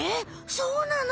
そうなの？